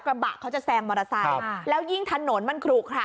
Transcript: กระบะเขาจะแซงมอเตอร์ไซค์แล้วยิ่งถนนมันขลุขระ